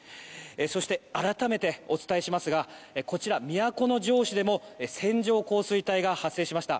そして、改めてお伝えしますがこちら、都城市でも線状降水帯が発生しました。